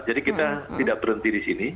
jadi kita tidak berhenti di sini